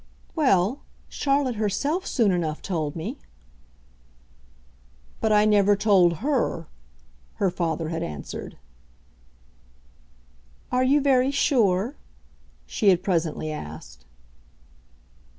"Well, Charlotte herself soon enough told me." "But I never told HER," her father had answered. "Are you very sure?" she had presently asked.